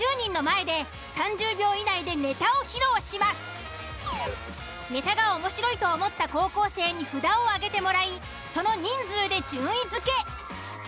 ５０人のネタが面白いと思った高校生に札を上げてもらいその人数で順位付け。